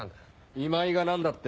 「今井」が何だって？